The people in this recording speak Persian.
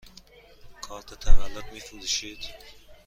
کارت تولد می فروشید؟